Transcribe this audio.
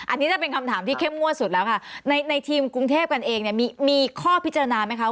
อันนี้จะเป็นคำถามที่เข้มงวดสุดแล้วค่ะในทีมกรุงเทพกันเองเนี่ยมีข้อพิจารณาไหมคะ